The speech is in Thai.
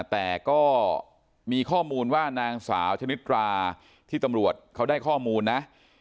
แต่ก็มีข้อมูลว่านางสาวชนิดราที่ตำรวจเขาได้ข้อมูลนะ